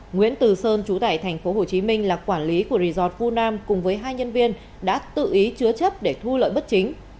nguyễn từ sơn chú tải thành phố hồ chí minh là quản lý của resort vu nam cùng với hai nhân viên đã tự ý chứa chấp để thu lợi bất chính